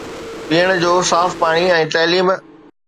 پيئڻ جو صاف پاڻي ۽ تعليم